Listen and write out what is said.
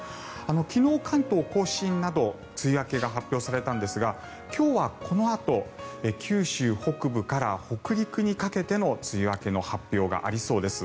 昨日、関東・甲信など梅雨明けが発表されたんですが今日はこのあと九州北部から北陸にかけての梅雨明けの発表がありそうです。